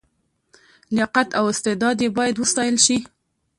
لیاقت او استعداد یې باید وستایل شي.